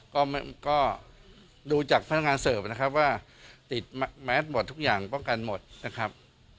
ก็ดูจากพนักงานเสิร์ฟนะครับว่าติดแมสหมดทุกอย่างป้องกันหมดนะครับ